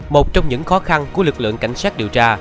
một trong những khó khăn của lực lượng cảnh sát điều tra